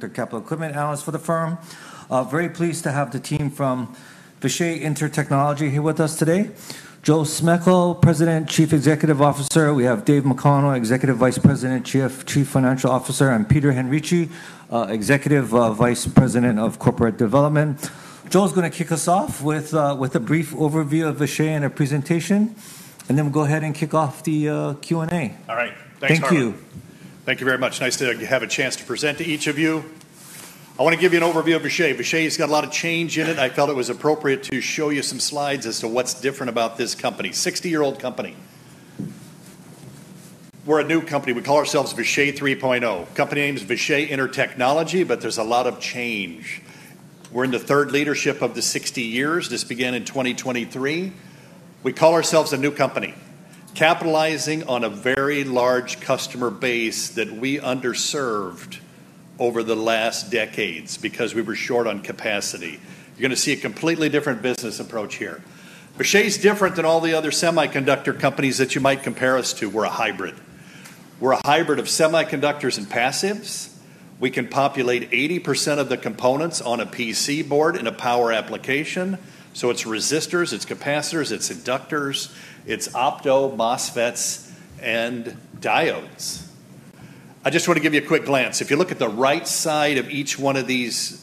Semiconductor Capital Equipment Analyst for the firm. Very pleased to have the team from Vishay Intertechnology here with us today, Joel Smejkal, President, Chief Executive Officer, David McConnell, Executive Vice President, Chief Financial Officer, and Peter Henrici, Executive Vice President of Corporate Development. Joel's going to kick us off with a brief overview of Vishay and a presentation, and then we'll go ahead and kick off the Q&A. All right. Thanks, Harlan. Thank you. Thank you very much. Nice to have a chance to present to each of you. I want to give you an overview of Vishay. Vishay's got a lot of change in it. I felt it was appropriate to show you some slides as to what's different about this company. 60-year-old company. We're a new company. We call ourselves Vishay 3.0. Company name is Vishay Intertechnology, but there's a lot of change. We're in the third leadership of the 60 years. This began in 2023. We call ourselves a new company, capitalizing on a very large customer base that we underserved over the last decades because we were short on capacity. You're going to see a completely different business approach here. Vishay's different than all the other semiconductor companies that you might compare us to. We're a hybrid. We're a hybrid of semiconductors and passives. We can populate 80% of the components on a PC board in a power application. It's resistors, it's capacitors, it's inductors, it's opto-MOSFETs, and diodes. I just want to give you a quick glance. If you look at the right side of each one of these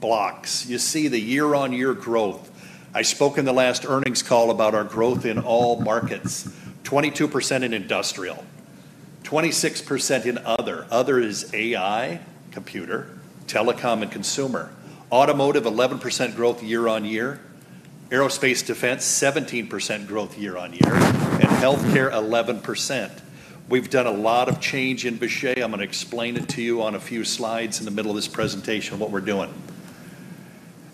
blocks, you see the year-on-year growth. I spoke in the last earnings call about our growth in all markets, 22% in industrial, 26% in other. Other is AI, computer, telecom, and consumer. Automotive, 11% growth year-on-year. Aerospace defense, 17% growth year-on-year, and healthcare, 11%. We've done a lot of change in Vishay. I'm going to explain it to you on a few slides in the middle of this presentation of what we're doing.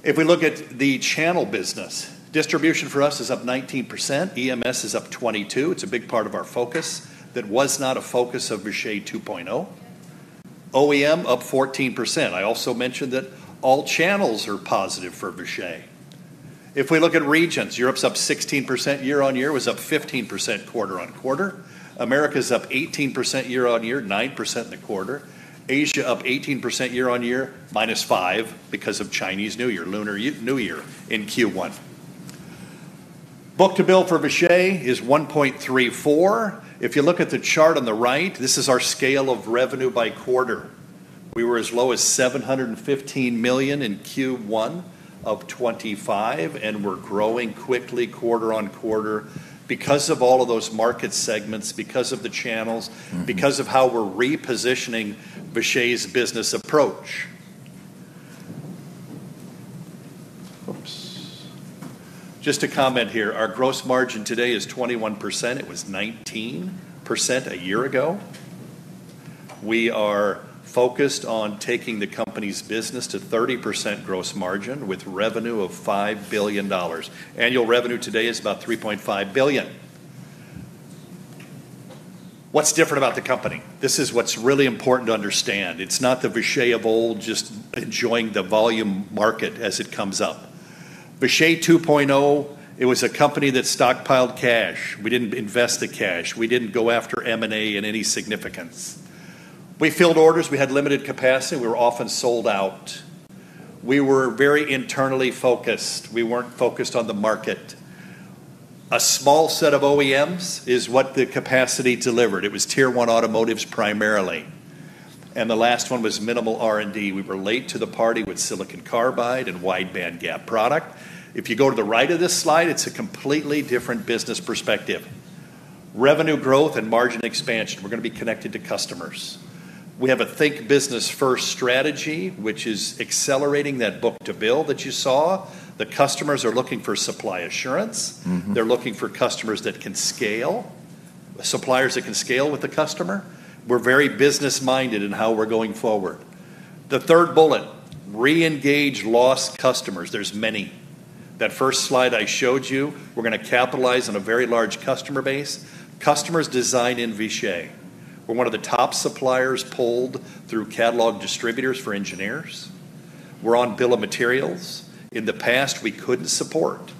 If we look at the channel business, distribution for us is up 19%, EMS is up 22%. It's a big part of our focus. That was not a focus of Vishay 2.0. OEM, up 14%. I also mentioned that all channels are positive for Vishay. We look at regions, Europe's up 16% year-on-year. It was up 15% quarter-on-quarter. America's up 18% year-on-year, 9% in the quarter. Asia, up 18% year-on-year, -5% because of Chinese New Year, Lunar New Year in Q1. Book-to-bill for Vishay is 1.34%. If you look at the chart on the right, this is our scale of revenue by quarter. We were as low as $715 million in Q1 of 2025, we're growing quickly quarter-on-quarter because of all of those market segments, because of the channels because of how we're repositioning Vishay's business approach. Just to comment here, our gross margin today is 21%. It was 19% a year ago. We are focused on taking the company's business to 30% gross margin with revenue of $5 billion. Annual revenue today is about $3.5 billion. What's different about the company? This is what's really important to understand. It's not the Vishay of old just enjoying the volume market as it comes up. Vishay 2.0, it was a company that stockpiled cash. We didn't invest the cash. We didn't go after M&A in any significance. We filled orders, we had limited capacity. We were often sold out. We were very internally focused. We weren't focused on the market. A small set of OEMs is what the capacity delivered. It was tier one automotives primarily. The last one was minimal R&D. We were late to the party with silicon carbide and wide bandgap product. If you go to the right of this slide, it's a completely different business perspective. Revenue growth and margin expansion. We're going to be connected to customers. We have a think business first strategy, which is accelerating that book-to-bill that you saw. The customers are looking for supply assurance. They're looking for suppliers that can scale with the customer. We're very business-minded in how we're going forward. The third bullet, reengage lost customers. There's many. That first slide I showed you, we're going to capitalize on a very large customer base. Customers design in Vishay. We're one of the top suppliers polled through catalog distributors for engineers. We're on bill of materials. In the past, we couldn't support.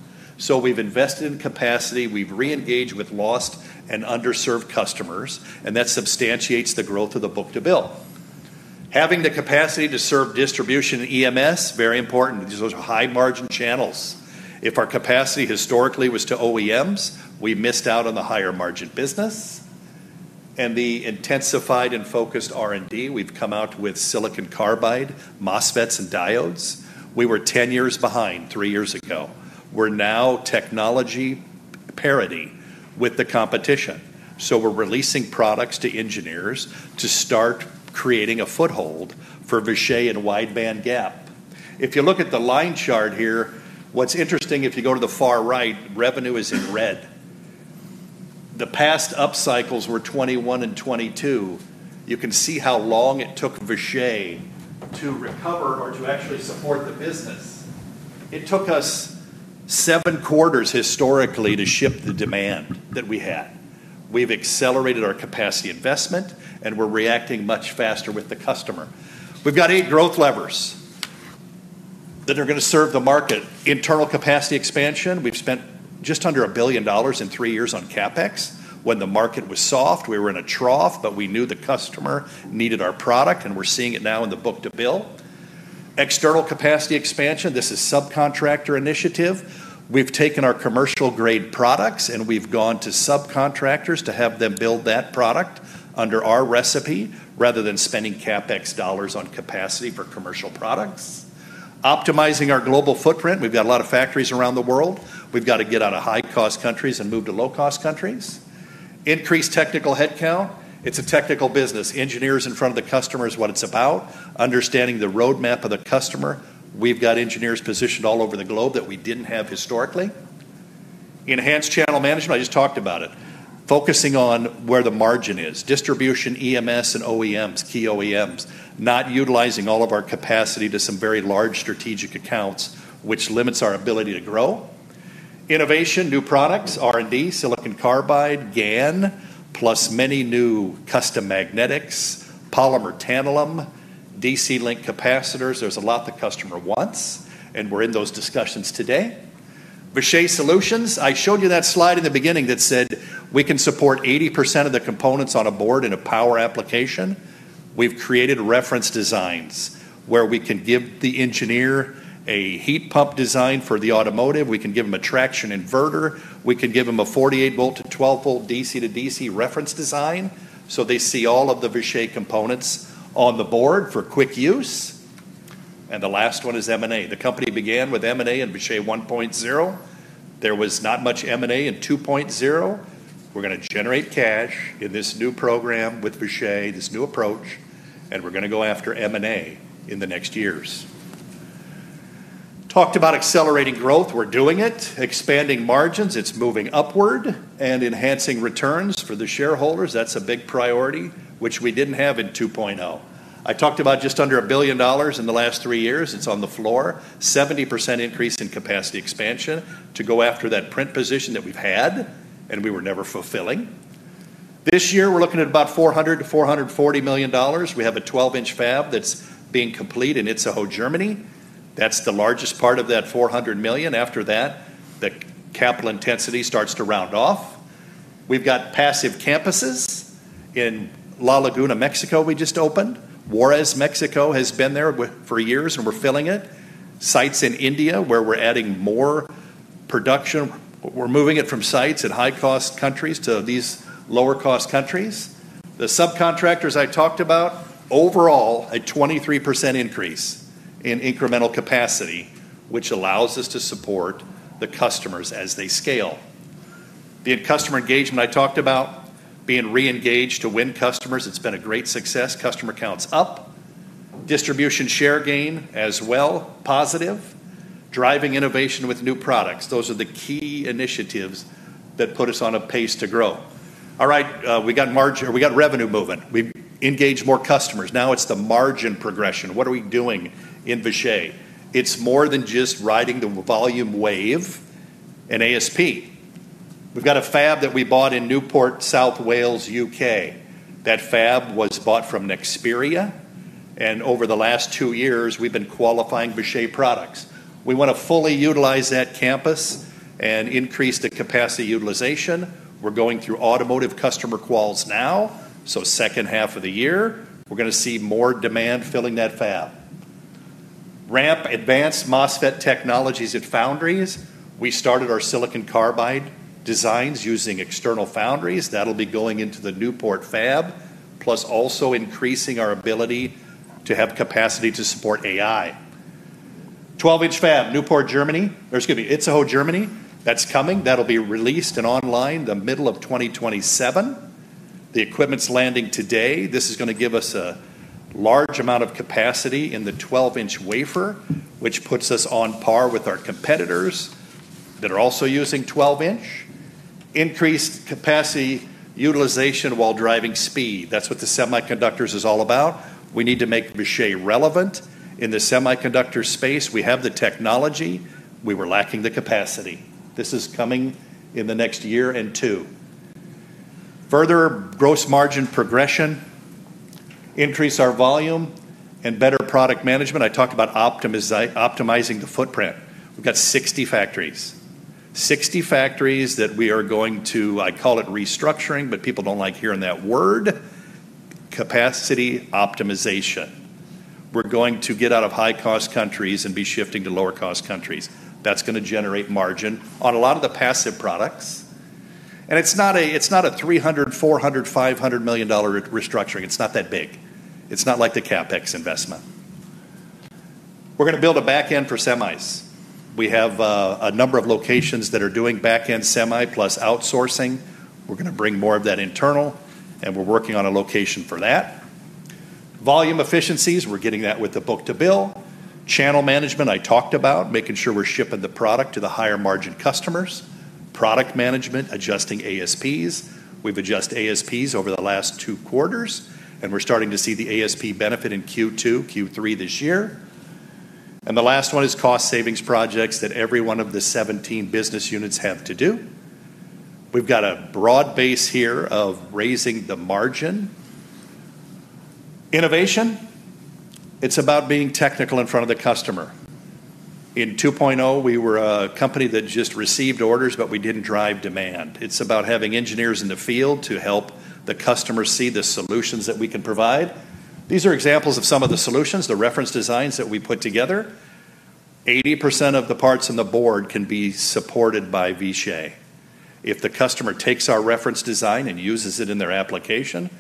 We've invested in capacity, we've reengaged with lost and underserved customers, and that substantiates the growth of the book-to-bill. Having the capacity to serve distribution and EMS, very important. These are high-margin channels. If our capacity historically was to OEMs, we missed out on the higher margin business. The intensified and focused R&D, we've come out with silicon carbide, MOSFETs, and diodes. We were 10 years behind three years ago. We're now technology parity with the competition. We're releasing products to engineers to start creating a foothold for Vishay and wide bandgap. If you look at the line chart here, what's interesting, if you go to the far right, revenue is in red. The past up cycles were 2021 and 2022. You can see how long it took Vishay to recover or to actually support the business. It took us seven quarters historically to ship the demand that we had. We've accelerated our capacity investment, and we're reacting much faster with the customer. We've got eight growth levers that are going to serve the market. Internal capacity expansion, we've spent just under $1 billion in three years on CapEx. When the market was soft, we were in a trough, but we knew the customer needed our product, and we're seeing it now in the book-to-bill. External capacity expansion, this is subcontractor initiative. We've taken our commercial-grade products, and we've gone to subcontractors to have them build that product under our recipe, rather than spending CapEx dollars on capacity for commercial products. Optimizing our global footprint. We've got a lot of factories around the world. We've got to get out of high-cost countries and move to low-cost countries. Increase technical headcount. It's a technical business. Engineers in front of the customer is what it's about, understanding the roadmap of the customer. We've got engineers positioned all over the globe that we didn't have historically. Enhanced channel management, I just talked about it. Focusing on where the margin is, distribution, EMS, and OEMs, key OEMs. Not utilizing all of our capacity to some very large strategic accounts, which limits our ability to grow. Innovation, new products, R&D, silicon carbide, GaN, plus many new custom magnetics, polymer tantalum, DC link capacitors. There's a lot the customer wants, and we're in those discussions today. Vishay solutions, I showed you that slide in the beginning that said we can support 80% of the components on a board in a power application. We've created reference designs where we can give the engineer a heat pump design for the automotive. We can give them a traction inverter. We can give them a 48-volt to 12-volt DC-to-DC reference design. They see all of the Vishay components on the board for quick use. The last one is M&A. The company began with M&A and Vishay 1.0. There was not much M&A in 2.0. We're going to generate cash in this new program with Vishay, this new approach, and we're going to go after M&A in the next years. We talked about accelerating growth. We're doing it. We are expanding margins. It's moving upward. Enhancing returns for the shareholders, that's a big priority, which we didn't have in 2.0. I talked about just under $1 billion in the last three years. It's on the floor. 70% increase in capacity expansion to go after that print position that we've had and we were never fulfilling. This year, we're looking at about $400 million-$440 million. We have a 12-inch fab that's being complete in Itzehoe, Germany. That's the largest part of that $400 million. After that, the capital intensity starts to round off. We've got passive campuses in La Laguna, Mexico we just opened. Juarez, Mexico has been there for years, and we're filling it. Sites in India where we're adding more production. We're moving it from sites at high-cost countries to these lower-cost countries. The subcontractors I talked about, overall, a 23% increase in incremental capacity, which allows us to support the customers as they scale. The customer engagement I talked about, being re-engaged to win customers, it's been a great success. Customer count's up. Distribution share gain as well, positive. Driving innovation with new products. Those are the key initiatives that put us on a pace to grow. All right. We got revenue moving. We've engaged more customers. Now it's the margin progression. What are we doing in Vishay? It's more than just riding the volume wave and ASP. We've got a fab that we bought in Newport, South Wales, U.K. That fab was bought from Nexperia. Over the last two years, we've been qualifying Vishay products. We want to fully utilize that campus and increase the capacity utilization. We're going through automotive customer quals now, so second half of the year, we're going to see more demand filling that fab. Ramp advanced MOSFET technologies at foundries. We started our silicon carbide designs using external foundries. That'll be going into the Newport fab, plus also increasing our ability to have capacity to support AI. 12-inch fab, Newport, Germany, or excuse me, Itzehoe, Germany. That's coming. That'll be released and online the middle of 2027. The equipment's landing today. This is going to give us a large amount of capacity in the 12-inch wafer, which puts us on par with our competitors that are also using 12-inch. Increased capacity utilization while driving speed. That's what the semiconductors is all about. We need to make Vishay relevant in the semiconductor space. We have the technology. We were lacking the capacity. This is coming in the next year and two. Further gross margin progression, increase our volume, and better product management. I talked about optimizing the footprint. We've got 60 factories. 60 factories that we are going to, I call it restructuring, but people don't like hearing that word. Capacity optimization. We're going to get out of high-cost countries and be shifting to lower-cost countries. That's going to generate margin on a lot of the passive products. It's not a $300 million, $400 million, $500 million restructuring. It's not that big. It's not like the CapEx investment. We're going to build a back end for semis. We have a number of locations that are doing back-end semi plus outsourcing. We're going to bring more of that internal, and we're working on a location for that. Volume efficiencies, we're getting that with the book-to-bill. Channel management, I talked about, making sure we're shipping the product to the higher-margin customers. Product management, adjusting ASPs. We've adjusted ASPs over the last two quarters, and we're starting to see the ASP benefit in Q2, Q3 this year. The last one is cost savings projects that every one of the 17 business units have to do. We've got a broad base here of raising the margin. Innovation, it's about being technical in front of the customer. In 2.0, we were a company that just received orders, but we didn't drive demand. It's about having engineers in the field to help the customer see the solutions that we can provide. These are examples of some of the solutions, the reference designs that we put together. 80% of the parts in the board can be supported by Vishay. If the customer takes our reference design and uses it in their application,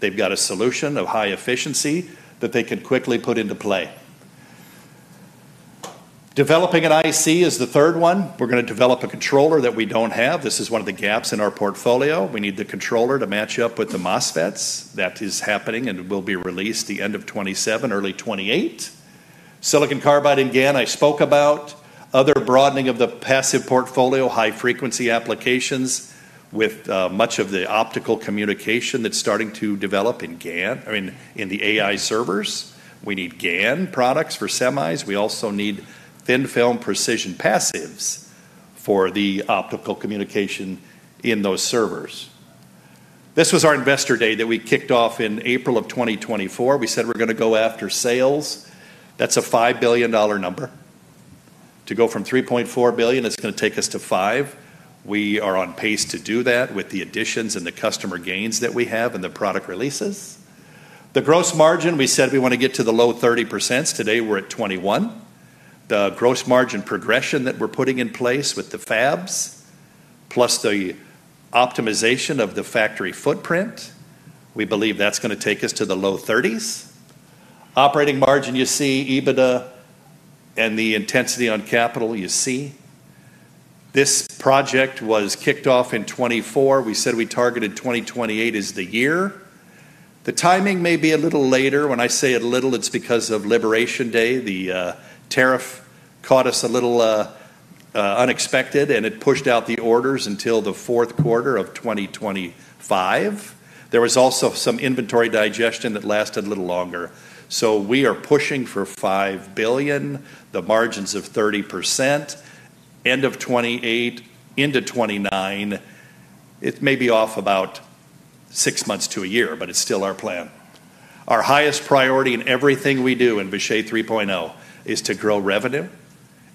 they've got a solution of high efficiency that they can quickly put into play. Developing an IC is the third one. We're going to develop a controller that we don't have. This is one of the gaps in our portfolio. We need the controller to match up with the MOSFETs. That is happening and will be released the end of 2027, early 2028. Silicon carbide and GaN, I spoke about. Other broadening of the passive portfolio, high-frequency applications with much of the optical communication that's starting to develop in the AI servers. We need GaN products for semis. We also need thin-film precision passives for the optical communication in those servers. This was our Investor Day that we kicked off in April of 2024. We said we're going to go after sales. That's a $5 billion number. To go from $3.4 billion, it's going to take us to $5 billion. We are on pace to do that with the additions and the customer gains that we have and the product releases. The gross margin, we said we want to get to the low 30%. Today, we're at 21%. The gross margin progression that we're putting in place with the fabs, plus the optimization of the factory footprint, we believe that's going to take us to the low 30%s. Operating margin, you see EBITDA and the intensity on CapEx you see. This project was kicked off in 2024. We said we targeted 2028 as the year. The timing may be a little later. When I say a little, it's because of Liberation Day. The tariff caught us a little unexpected, it pushed out the orders until the fourth quarter of 2025. There was also some inventory digestion that lasted a little longer. We are pushing for $5 billion, the margins of 30% end of 2028 into 2029. It may be off about six months to a year, but it's still our plan. Our highest priority in everything we do in Vishay 3.0 is to grow revenue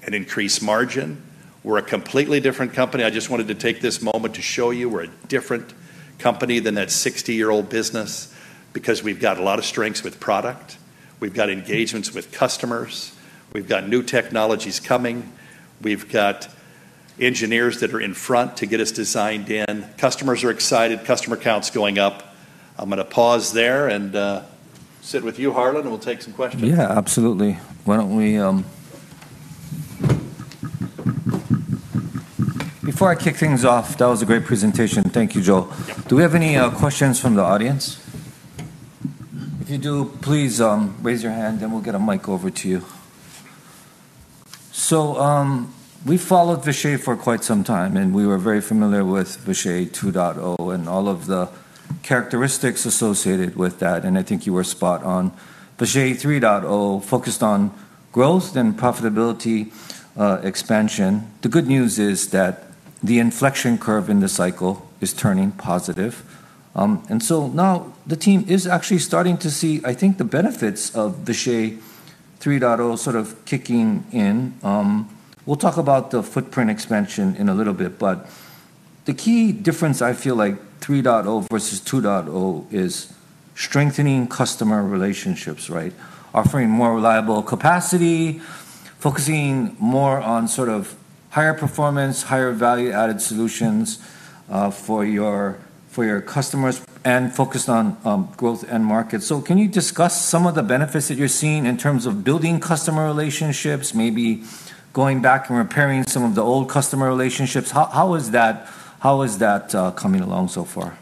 and increase margin. We're a completely different company. I just wanted to take this moment to show you we're a different company than that 60-year-old business, because we've got a lot of strengths with product, we've got engagements with customers, we've got new technologies coming, we've got engineers that are in front to get us designed in. Customers are excited. Customer count's going up. I'm going to pause there and sit with you, Harlan, and we'll take some questions. Yeah, absolutely. Before I kick things off, that was a great presentation. Thank you, Joel. Do we have any questions from the audience? If you do, please raise your hand and we'll get a mic over to you. We followed Vishay for quite some time, and we were very familiar with Vishay 2.0 and all of the characteristics associated with that, and I think you were spot on. Vishay 3.0 focused on growth and profitability expansion. The good news is that the inflection curve in the cycle is turning positive. Now the team is actually starting to see, I think, the benefits of Vishay 3.0 sort of kicking in. We'll talk about the footprint expansion in a little bit, but the key difference I feel like 3.0 versus 2.0 is strengthening customer relationships, right? Offering more reliable capacity, focusing more on sort of higher performance, higher value-added solutions for your customers, and focused on growth end markets. Can you discuss some of the benefits that you're seeing in terms of building customer relationships, maybe going back and repairing some of the old customer relationships? How is that coming along so far?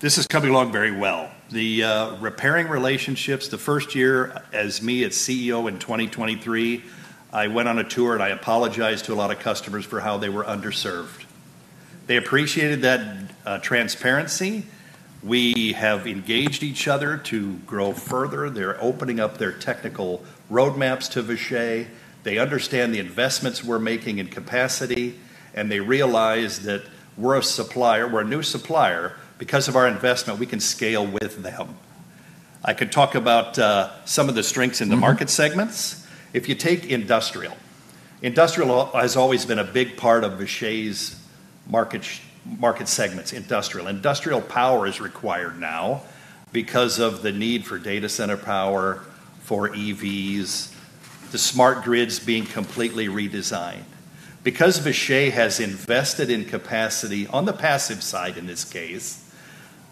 This is coming along very well. The repairing relationships, the first year as me as CEO in 2023, I went on a tour, I apologized to a lot of customers for how they were underserved. They appreciated that transparency. We have engaged each other to grow further. They're opening up their technical roadmaps to Vishay. They understand the investments we're making in capacity, they realize that we're a supplier, we're a new supplier. Because of our investment, we can scale with them. I could talk about some of the strengths in the market segments. If you take industrial has always been a big part of Vishay's market segments, industrial. Industrial power is required now because of the need for data center power, for EVs, the smart grids being completely redesigned. Because Vishay has invested in capacity on the passive side, in this case,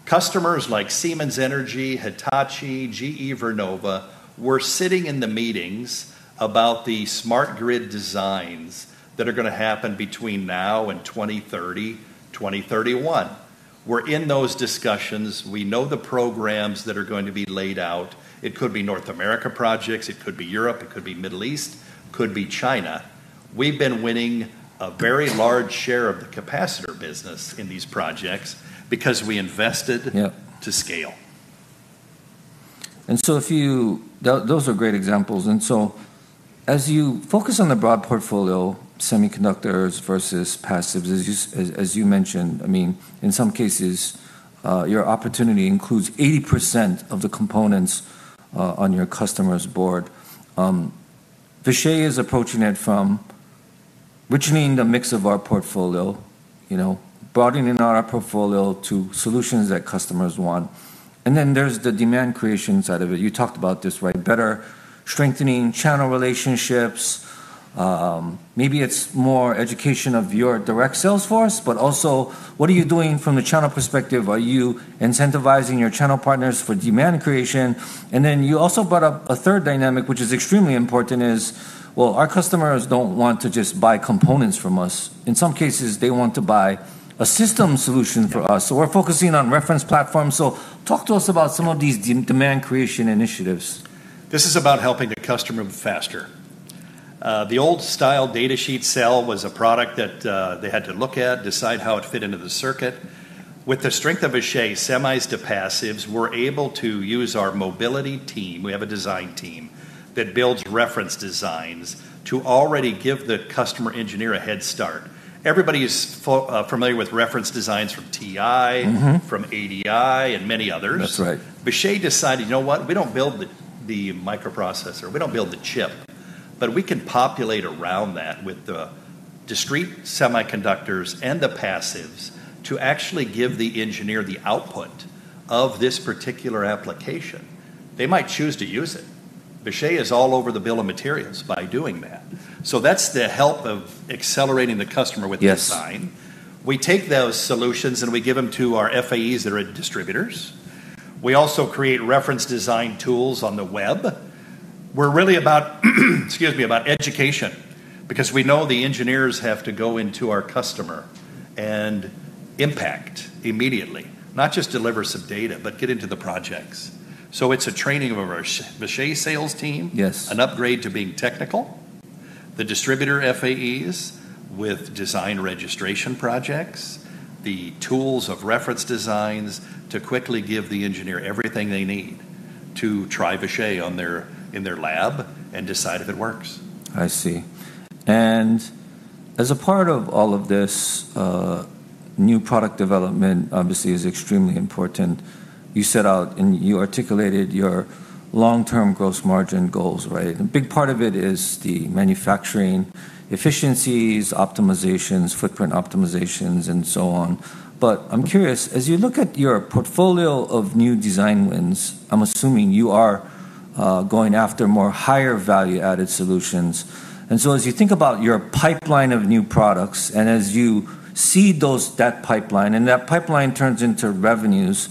customers like Siemens Energy, Hitachi, GE Vernova, we're sitting in the meetings about the smart grid designs that are going to happen between now and 2030, 2031. We're in those discussions. We know the programs that are going to be laid out. It could be North America projects, it could be Europe, it could be Middle East, could be China. We've been winning a very large share of the capacitor business in these projects because we invested- Yeah. To scale. Those are great examples. As you focus on the broad portfolio, semiconductors versus passives, as you mentioned, in some cases, your opportunity includes 80% of the components on your customer's board. Vishay is approaching it from richening the mix of our portfolio, broadening our portfolio to solutions that customers want. There's the demand creation side of it. You talked about this, right? Better strengthening channel relationships. Maybe it's more education of your direct sales force, but also what are you doing from a channel perspective? Are you incentivizing your channel partners for demand creation? You also brought up a third dynamic, which is extremely important, is our customers don't want to just buy components from us. In some cases, they want to buy a system solution from us. We're focusing on reference platforms. Talk to us about some of these demand creation initiatives. This is about helping the customer faster. The old-style data sheet sell was a product that they had to look at, decide how it fit into the circuit. With the strength of Vishay semis to passives, we're able to use our mobility team, we have a design team that builds reference designs to already give the customer engineer a headstart. Everybody is familiar with reference designs from TI,- From ADI, and many others. That's right. Vishay decided, you know what? We don't build the microprocessor. We don't build the chip. We can populate around that with the discrete semiconductors and the passives to actually give the engineer the output of this particular application. They might choose to use it. Vishay is all over the bill of materials by doing that. That's the help of accelerating the customer with design. Yes. We take those solutions, and we give them to our FAEs that are at distributors. We also create reference design tools on the web. We're really about, excuse me, about education because we know the engineers have to go into our customer and impact immediately, not just deliver some data, but get into the projects. It's a training of our Vishay sales team. Yes. An upgrade to being technical. The distributor FAEs with design registration projects, the tools of reference designs to quickly give the engineer everything they need to try Vishay in their lab and decide if it works. I see. As a part of all of this, new product development obviously is extremely important. You set out and you articulated your long-term gross margin goals, right? A big part of it is the manufacturing efficiencies, optimizations, footprint optimizations, and so on. I'm curious, as you look at your portfolio of new design wins, I'm assuming you are going after more higher value-added solutions. As you think about your pipeline of new products, and as you see that pipeline, and that pipeline turns into revenues,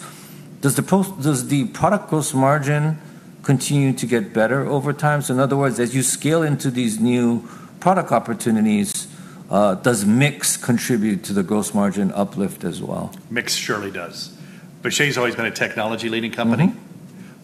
does the product gross margin continue to get better over time? In other words, as you scale into these new product opportunities, does mix contribute to the gross margin uplift as well? Mix surely does. Vishay's always been a technology-leading company.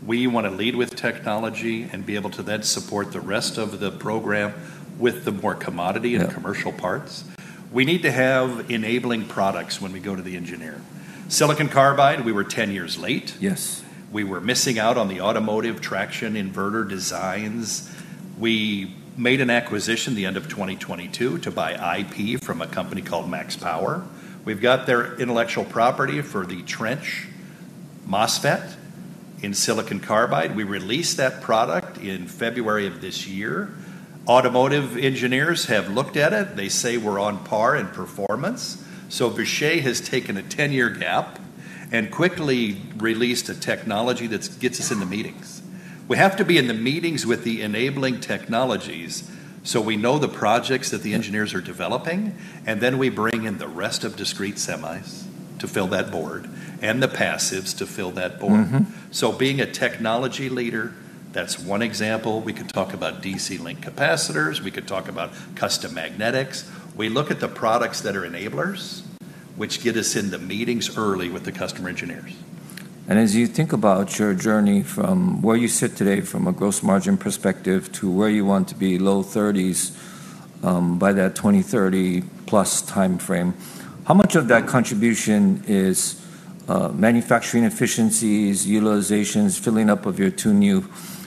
We want to lead with technology and be able to then support the rest of the program with the more commodity- Yeah. Commercial parts. We need to have enabling products when we go to the engineer. Silicon carbide, we were 10 years late. Yes. We were missing out on the automotive traction inverter designs. We made an acquisition the end of 2022 to buy IP from a company called MaxPower. We've got their intellectual property for the trench MOSFET in silicon carbide. We released that product in February of this year. Automotive engineers have looked at it. They say we're on par in performance. Vishay has taken a 10-year gap and quickly released a technology that gets us into meetings. We have to be in the meetings with the enabling technologies so we know the projects that the engineers are developing, and then we bring in the rest of discrete semis to fill that board and the passives to fill that board. Being a technology leader, that's one example. We could talk about DC link capacitors. We could talk about custom magnetics. We look at the products that are enablers, which get us into meetings early with the customer engineers. As you think about your journey from where you sit today from a gross margin perspective to where you want to be, low 30%s by that 2030+ timeframe, how much of that contribution is manufacturing efficiencies, utilizations, filling up of your two new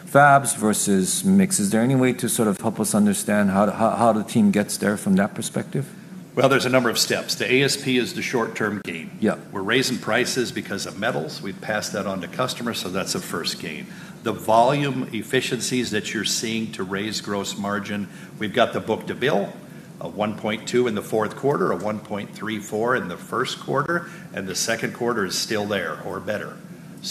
fabs versus mix? Is there any way to sort of help us understand how the team gets there from that perspective? Well, there's a number of steps. The ASP is the short-term gain. Yeah. We're raising prices because of metals. We've passed that on to customers, so that's a first gain. The volume efficiencies that you're seeing to raise gross margin, we've got the book-to-bill of 1.2% in the fourth quarter, a 1.34% in the first quarter, and the second quarter is still there or better.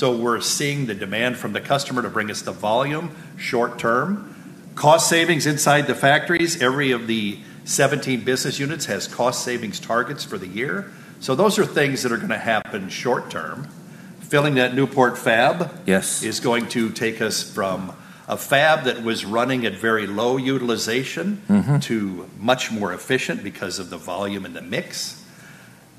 We're seeing the demand from the customer to bring us the volume short term. Cost savings inside the factories, every of the 17 business units has cost savings targets for the year. Those are things that are going to happen short term. Filling that Newport fab- Yes. Is going to take us from a fab that was running at very low utilization- To much more efficient because of the volume and the mix.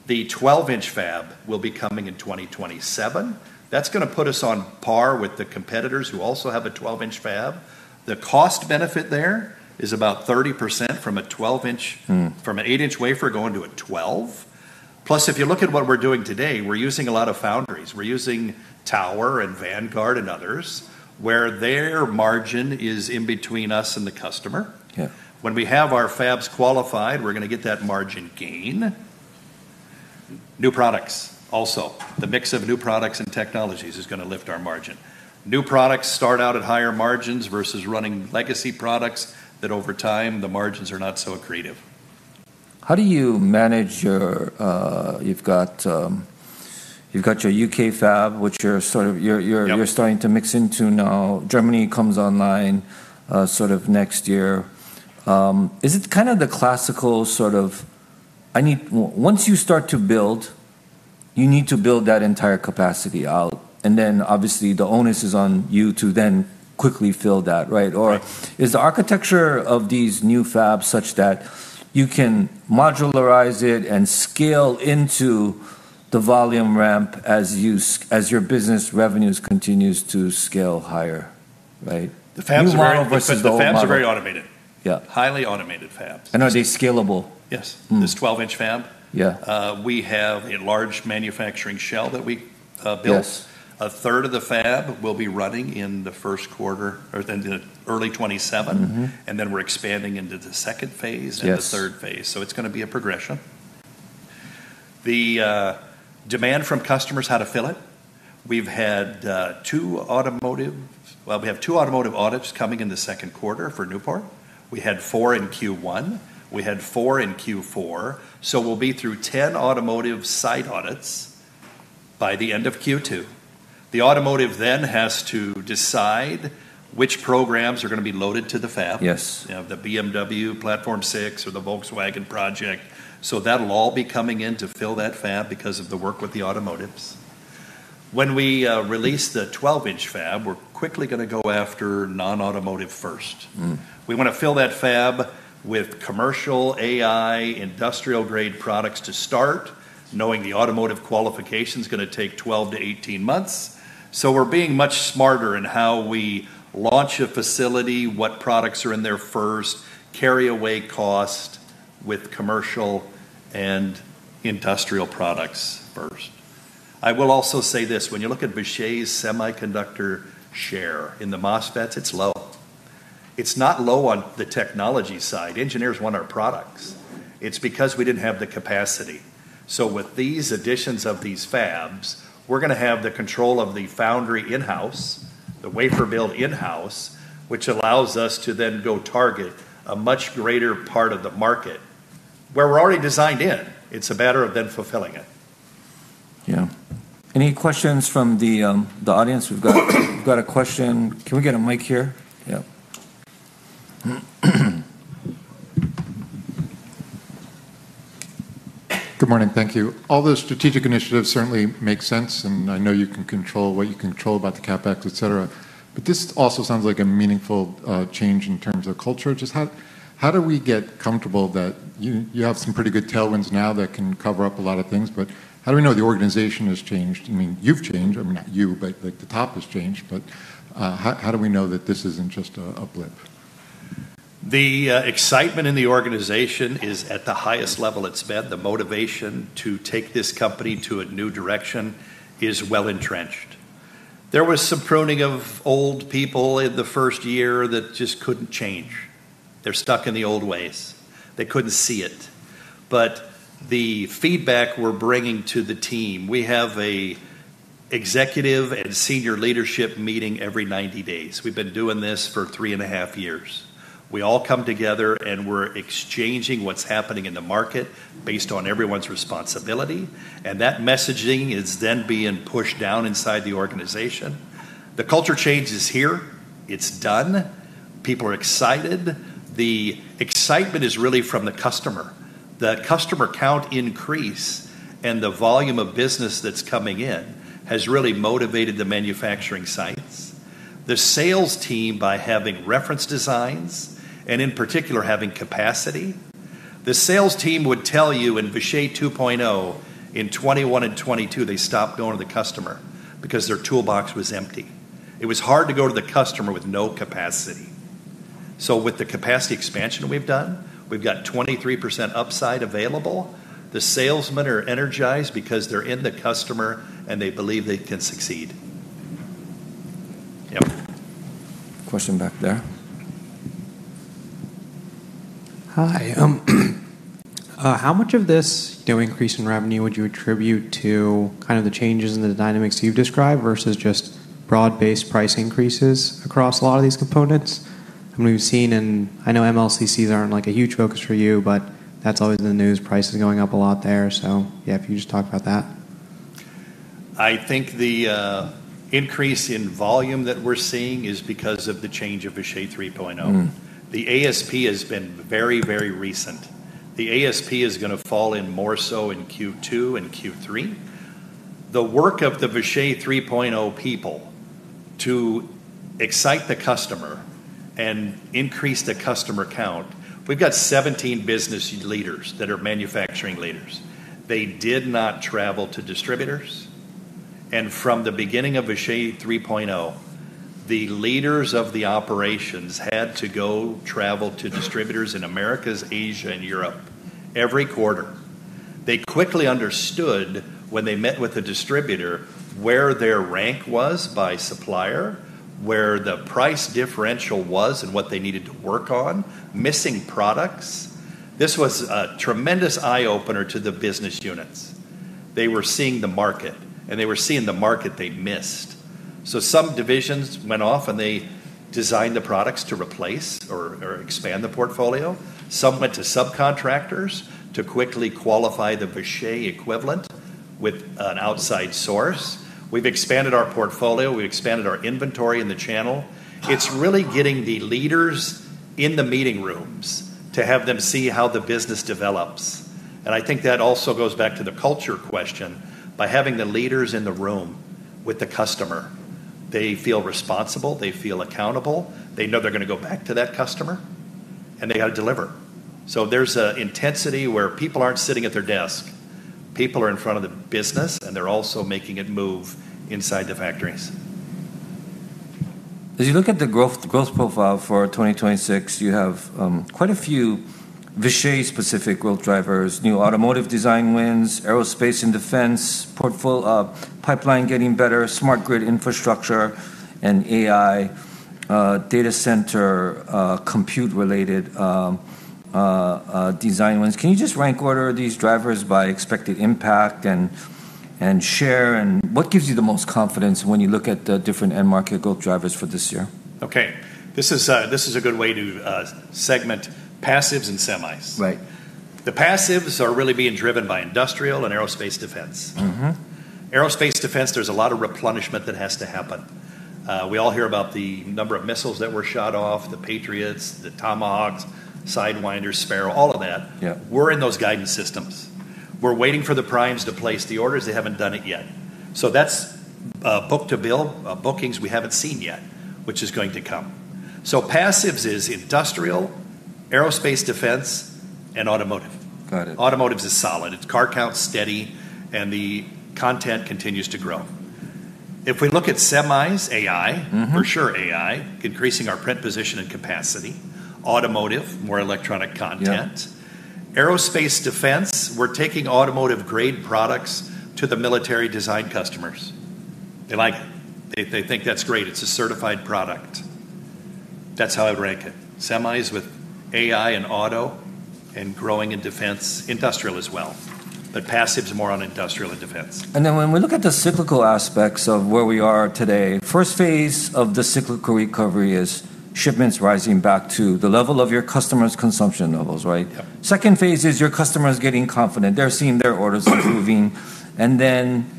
The 12-inch fab will be coming in 2027. That's going to put us on par with the competitors who also have a 12-inch fab. The cost benefit there is about 30% from a 12-inch, from a 8-inch wafer going to a 12 inch. If you look at what we're doing today, we're using a lot of foundries. We're using Tower and Vanguard and others, where their margin is in between us and the customer. Yeah. When we have our fabs qualified, we're going to get that margin gain. New products also. The mix of new products and technologies is going to lift our margin. New products start out at higher margins versus running legacy products that, over time, the margins are not so accretive. How do you manage? You've got your U.K. fab- Yep. Starting to mix into now. Germany comes online sort of next year. Is it the classical sort of, once you start to build, you need to build that entire capacity out, and then obviously the onus is on you to then quickly fill that, right? Right. Is the architecture of these new fabs such that you can modularize it and scale into the volume ramp as your business revenues continues to scale higher, right? The fabs are- New model versus the old model. The fabs are very automated. Yeah. Highly automated fabs. Are they scalable? Yes. This 12-inch fab- Yeah. We have a large manufacturing shell that we built. Yes. A third of the fab will be running in the first quarter or in early 2027. We're expanding into the phase II. Yes. The phase III. It's going to be a progression. The demand from customers, how to fill it, we have two automotive audits coming in the second quarter for Newport. We had four in Q1. We had four in Q4. We'll be through 10 automotive site audits by the end of Q2. The automotive has to decide which programs are going to be loaded to the fab. Yes. The BMW Platform 6 or the Volkswagen project. That'll all be coming in to fill that fab because of the work with the automotives. When we release the 12-inch fab, we're quickly going to go after non-automotive first. We want to fill that fab with commercial AI, industrial-grade products to start, knowing the automotive qualification's going to take 12 months-18 months. We're being much smarter in how we launch a facility, what products are in there first, carry away cost with commercial and industrial products first. I will also say this, when you look at Vishay's semiconductor share in the MOSFETs, it's low. It's not low on the technology side. Engineers want our products. It's because we didn't have the capacity. With these additions of these fabs, we're going to have the control of the foundry in-house, the wafer build in-house, which allows us to then go target a much greater part of the market, where we're already designed in. It's a matter of then fulfilling it. Yeah. Any questions from the audience? We've got a question. Can we get a mic here? Yeah. Good morning. Thank you. All those strategic initiatives certainly make sense, and I know you can control what you can control about the CapEx, et cetera, but this also sounds like a meaningful change in terms of culture. Just how do we get comfortable that you have some pretty good tailwinds now that can cover up a lot of things, but how do we know the organization has changed? You've changed. Not you, but the top has changed. How do we know that this isn't just a blip? The excitement in the organization is at the highest level it's been. The motivation to take this company to a new direction is well-entrenched. There was some pruning of old people in the first year that just couldn't change. They're stuck in the old ways. They couldn't see it. The feedback we're bringing to the team, we have a executive and senior leadership meeting every 90 days. We've been doing this for 3.5 years. We all come together, we're exchanging what's happening in the market based on everyone's responsibility, that messaging is then being pushed down inside the organization. The culture change is here. It's done. People are excited. The excitement is really from the customer. That customer count increase and the volume of business that's coming in has really motivated the manufacturing sites. The sales team, by having reference designs, and in particular, having capacity, the sales team would tell you in Vishay 2.0, in 2021 and 2022, they stopped going to the customer because their toolbox was empty. It was hard to go to the customer with no capacity. With the capacity expansion we've done, we've got 23% upside available. The salesmen are energized because they're in the customer, and they believe they can succeed. Yep. Question back there. Hi. How much of this increase in revenue would you attribute to the changes in the dynamics you've described versus just broad-based price increases across a lot of these components? We've seen in, I know MLCCs aren't a huge focus for you, but that's always in the news, prices going up a lot there. Yeah, if you could just talk about that. I think the increase in volume that we're seeing is because of the change of Vishay 3.0. The ASP has been very recent. The ASP is going to fall in more so in Q2 and Q3. The work of the Vishay 3.0 people to excite the customer and increase the customer count, we've got 17 business leaders that are manufacturing leaders. They did not travel to distributors. From the beginning of Vishay 3.0, the leaders of the operations had to go travel to distributors in Americas, Asia, and Europe every quarter. They quickly understood, when they met with the distributor, where their rank was by supplier, where the price differential was and what they needed to work on, missing products. This was a tremendous eye-opener to the business units. They were seeing the market. They were seeing the market they missed. Some divisions went off. They designed the products to replace or expand the portfolio. Some went to subcontractors to quickly qualify the Vishay equivalent with an outside source. We've expanded our portfolio. We've expanded our inventory in the channel. It's really getting the leaders in the meeting rooms to have them see how the business develops, and I think that also goes back to the culture question. By having the leaders in the room with the customer, they feel responsible. They feel accountable. They know they're going to go back to that customer, and they got to deliver. There's an intensity where people aren't sitting at their desk. People are in front of the business, and they're also making it move inside the factories. As you look at the growth profile for 2026, you have quite a few Vishay-specific growth drivers, new automotive design wins, aerospace and defense, pipeline getting better, smart grid infrastructure, and AI data center compute-related design wins. Can you just rank order these drivers by expected impact and share? What gives you the most confidence when you look at the different end market growth drivers for this year? Okay. This is a good way to segment passives and semis. Right. The passives are really being driven by industrial and aerospace defense. Aerospace defense, there is a lot of replenishment that has to happen. We all hear about the number of missiles that were shot off, the Patriot, the Tomahawk, Sidewinder, Sparrow, all of that. Yeah. We're in those guidance systems. We're waiting for the primes to place the orders. They haven't done it yet. That's book-to-bill, bookings we haven't seen yet, which is going to come. Passives is industrial, aerospace defense, and automotive. Got it. Automotives is solid. Its car count's steady, and the content continues to grow. If we look at semis, AI- For sure AI, increasing our print position and capacity. Automotive, more electronic content. Yeah. Aerospace defense, we're taking automotive-grade products to the military design customers. They like it. They think that's great. It's a certified product. That's how I would rank it. Semis with AI and auto and growing in defense. Industrial as well. Passives are more on industrial and defense. When we look at the cyclical aspects of where we are today, first phase of the cyclical recovery is shipments rising back to the level of your customer's consumption levels, right? Yeah. Phase II is your customer is getting confident. They're seeing their orders improving, and then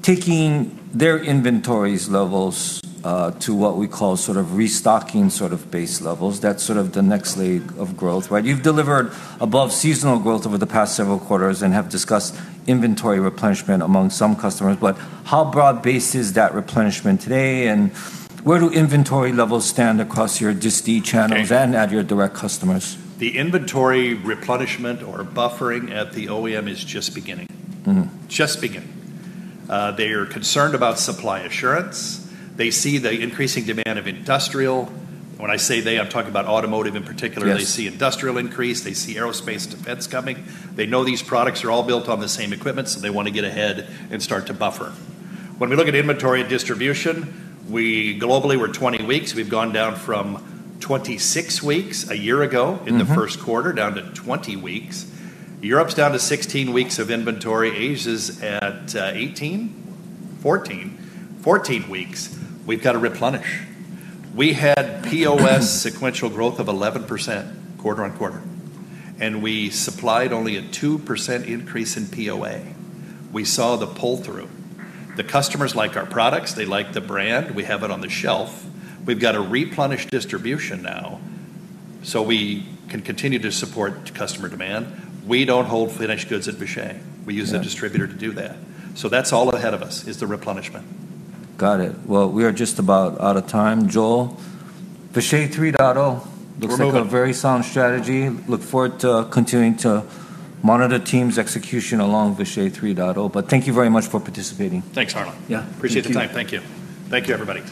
taking their inventories levels to what we call restocking sort of base levels. That's sort of the next leg of growth, right? You've delivered above-seasonal growth over the past several quarters and have discussed inventory replenishment among some customers. How broad-based is that replenishment today, and where do inventory levels stand across your disti channels- Okay. At your direct customers? The inventory replenishment or buffering at the OEM is just beginning. Just beginning. They are concerned about supply assurance. They see the increasing demand of industrial. When I say they, I am talking about automotive in particular. Yes. They see industrial increase. They see aerospace and defense coming. They know these products are all built on the same equipment, so they want to get ahead and start to buffer. When we look at inventory and distribution, globally, we're 20 weeks. We've gone down from 26 weeks a year ago. In the first quarter, down to 20 weeks. Europe's down to 16 weeks of inventory. Asia's at 18, 14, 14 weeks. We've got to replenish. We had POS sequential growth of 11% quarter-on-quarter, and we supplied only a 2% increase in POA. We saw the pull-through. The customers like our products. They like the brand. We have it on the shelf. We've got to replenish distribution now so we can continue to support customer demand. We don't hold finished goods at Vishay. Yeah. We use the distributor to do that. That's all ahead of us is the replenishment. Got it. Well, we are just about out of time, Joel. Vishay 3.0 looks like- We're moving. A very sound strategy. Look forward to continuing to monitor the team's execution along Vishay 3.0, but thank you very much for participating. Thanks, Harlan. Yeah. Thank you. Appreciate the time. Thank you. Thank you, everybody.